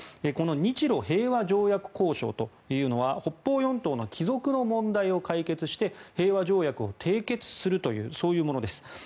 この日ロ平和条約交渉というのは北方四島の帰属の問題を解決して平和条約を締結するというそういうものです。